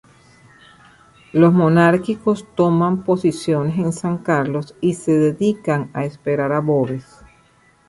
Los monárquicos toman posiciones en San Carlos y se dedican a esperar a Boves.